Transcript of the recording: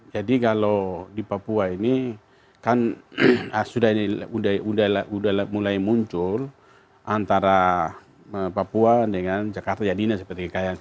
jadi kalau di papua ini kan sudah mulai muncul antara papua dengan jakarta